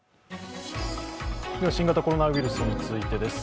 新型コロナウイルスについてです。